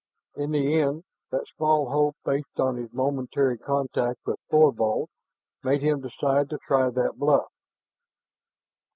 In the end, that small hope based on his momentary contact with Thorvald made him decide to try that bluff.